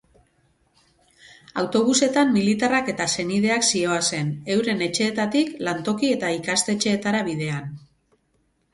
Autobusetan militarrak eta senideak zihoazen, euren etxeetatik lantoki eta ikastetxeetara bidean.